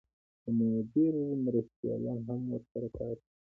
د مدیر مرستیالان هم ورسره کار کوي.